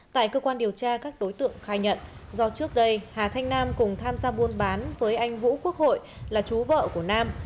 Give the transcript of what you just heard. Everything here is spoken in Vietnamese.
tại cơ quan điều tra các đối tượng khai nhận do trước đây hà thanh nam cùng tham gia buôn bán với anh vũ quốc hội là chú vợ của nam